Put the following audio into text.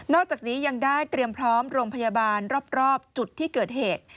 อกจากนี้ยังได้เตรียมพร้อมโรงพยาบาลรอบจุดที่เกิดเหตุ